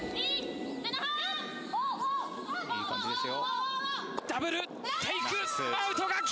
いい感じです。